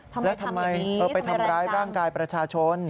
แล้วทำไมไปทำร้ายร่างกายประชาชน